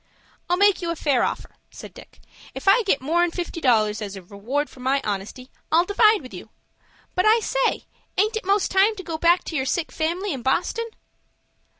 "I'll make you a fair offer," said Dick. "If I get more'n fifty dollars as a reward for my honesty, I'll divide with you. But I say, aint it most time to go back to your sick family in Boston?"